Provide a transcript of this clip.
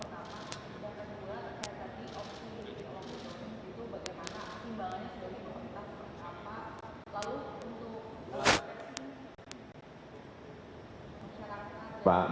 pakelnya sudah dilakukan